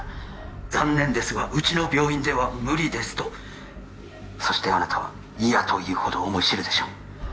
「残念ですがうちの病院では無理です」とそしてあなたは嫌というほど思い知るでしょう